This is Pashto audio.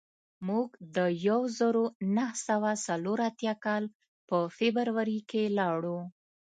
موږ د یو زرو نهه سوه څلور اتیا کال په فبروري کې لاړو